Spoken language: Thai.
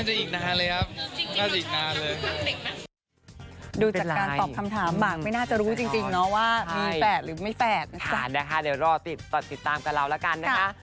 จริงเนาะว่ามีแฝดหรือไม่แฝดนะคะนะคะเดี๋ยวรอติดติดตามกับเราละกันนะคะ